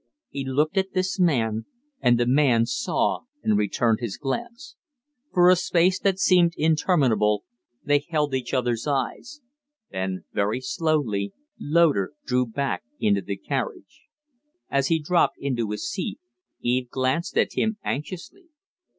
He looked at this man, and the man saw and returned his glance. For a space that seemed interminable they held each other's eyes; then very slowly Loder drew back into the carriage. As he dropped into his seat, Eve glanced at him anxiously.